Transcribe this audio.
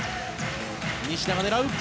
西田が狙う。